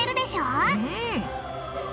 うん！